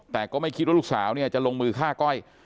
แต่ก็ไม่คิดว่าลูกสาวเนี่ยจะลงมือฆ่าก้อย